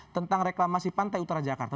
tentang reklamasi pantai utara jakarta